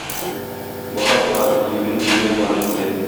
Бара-бара диюнең өенә барып җитә.